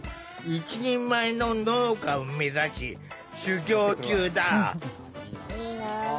一人前の農家を目指し修業中だ。